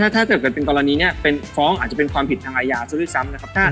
ถ้าเกิดเกิดเป็นกรณีนี้เป็นฟ้องอาจจะเป็นความผิดทางอาญาซะด้วยซ้ำนะครับ